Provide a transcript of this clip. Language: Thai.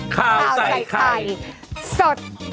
ข้าวใส่ไข่สด